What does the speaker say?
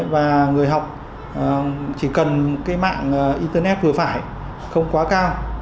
và người học chỉ cần cái mạng internet vừa phải không quá cao